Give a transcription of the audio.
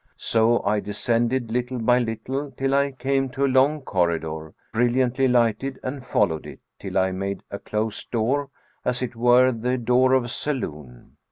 So I descended, little by little, till I came to a long corridor, brilliantly lighted and followed it, till I made a closed door, as it were the door of a saloon.